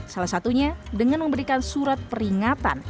salah satunya dengan memberikan surat peringatan